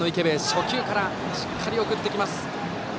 初球からしっかり送ってきます。